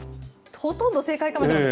ほとんど正解かもしれません。